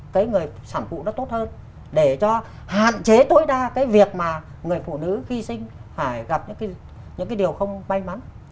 cái người sản phụ nó tốt hơn để cho hạn chế tối đa cái việc mà người phụ nữ khi sinh phải gặp những cái điều không may mắn